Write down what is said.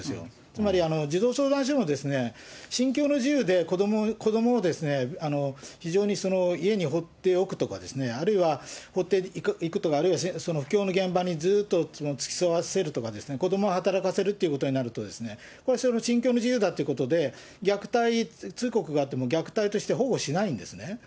つまり児童相談所も信教の自由で子どもを非常に家に放っておくとか、あるいは放っておくとか、あるいはその布教の現場にずっと付き添わせるとか、子どもを働かせるということになると、これ、信教の自由だっていうことで、虐待通告があっても、虐待として保護しないんですね。